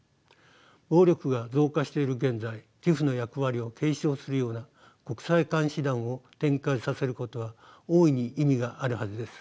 暴力が増加している現在ＴＩＰＨの役割を継承するような国際監視団を展開させることは大いに意味があるはずです。